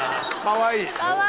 かわいい。